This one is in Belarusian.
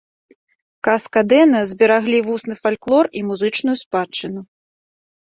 Каска-дэна збераглі вусны фальклор і музычную спадчыну.